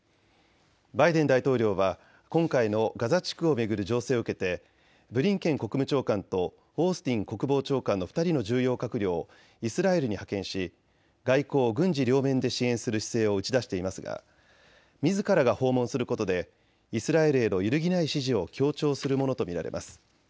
バイデン大統領は今回のガザ地区を巡る情勢を受けてブリンケン国務長官とオースティン国防長官の２人の重要閣僚をイスラエルに派遣し外交・軍事両面で支援する姿勢を打ち出していますがみずからが訪問することでイスラエルへの揺るぎない支持を強調するものと見られます。